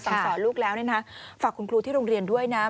สั่งสอดลูกแล้วฝากคุณครูที่โรงเรียนด้วยนะ